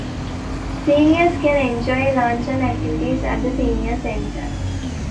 Seniors can enjoy a lunch and activities at the senior center.